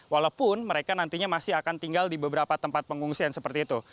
walaupun mereka nantinya masih akan tinggal di beberapa tempat pengungsian seperti itu